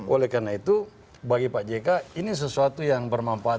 oleh karena itu bagi pak jk ini sesuatu yang bermanfaat